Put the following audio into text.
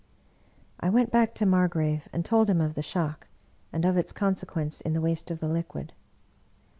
I went back to Margrave, and told him of the shock, and of its consequence in the waste of the liquid.